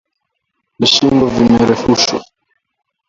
na shingo vimerefushwa